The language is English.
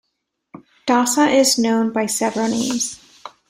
Dosa is known by several names.